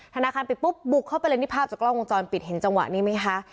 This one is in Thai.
ธนาคารปิดปุ๊บบุกเข้าไปเลยนี่ภาพจากกล้องวงจรปิดเห็นจังหวะนี้ไหมคะ